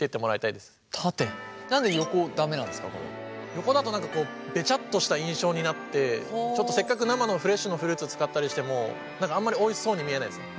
横だと何かこうベチャッとした印象になってせっかく生のフレッシュのフルーツ使ったりしてもあんまりおいしそうに見えないですね。